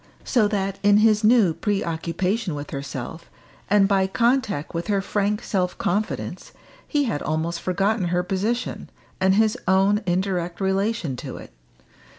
So that in his new preoccupation with herself, and by contact with her frank self confidence, he had almost forgotten her position, and his own indirect relation to it.